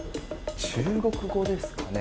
中国語ですかね。